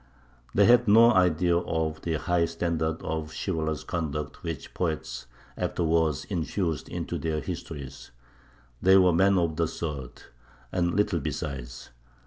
They had no idea of the high standard of chivalrous conduct which poets afterwards infused into their histories; they were men of the sword, and little besides.